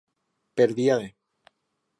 Per via de.